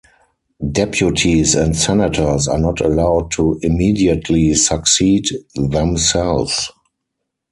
Deputies and senators are not allowed to immediately succeed themselves.